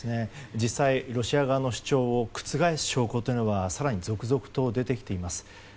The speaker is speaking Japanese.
実際、ロシア側の主張を覆す証拠というのが更に続々と出てきています。